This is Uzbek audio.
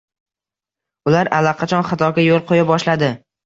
Ular allaqachon xatoga yo‘l qo‘ya boshladi